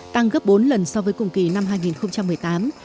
tăng gấp bốn lần so với cùng kỳ năm hai nghìn một mươi tám